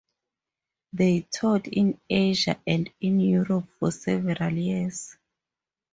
They toured in Asia and in Europe for several years.